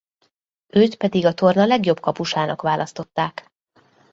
Őt pedig a torna legjobb kapusának választották.